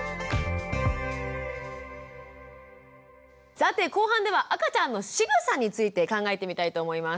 さて後半では赤ちゃんの「しぐさ」について考えてみたいと思います。